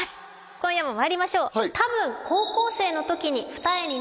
今夜もまいりましょうはい